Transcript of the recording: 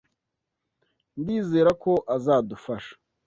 Ndizera ko azadufasha.